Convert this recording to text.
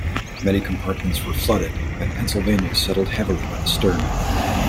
Many compartments were flooded and "Pennsylvania" settled heavily by the stern.